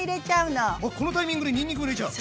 あっこのタイミングでにんにくも入れちゃう？